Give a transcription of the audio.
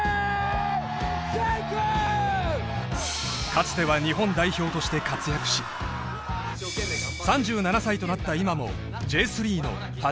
かつては日本代表として活躍し３７歳となった